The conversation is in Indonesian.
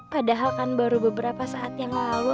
padahal kan baru beberapa saat yang lalu